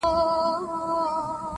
• نه په غم کي د ګورم نه د ګوروان وو -